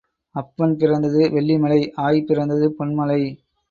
அப்பன் பிறந்தது வெள்ளிமலை ஆய் பிறந்தது பொன்மலை.